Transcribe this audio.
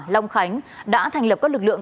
long khánh đã thành lập các lực lượng